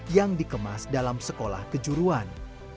yang dikemas dalam sekolah kejuruan